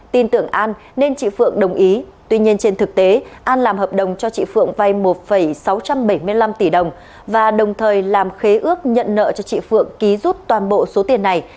tin tưởng an nên chị phượng đồng ý tuy nhiên trên thực tế an làm hợp đồng cho chị phượng vay một sáu trăm bảy mươi năm tỷ đồng và đồng thời làm khế ước nhận nợ cho chị phượng ký rút toàn bộ số tiền này